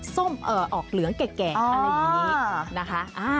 ส้มออกเหลืองแก่อะไรอย่างนี้นะคะ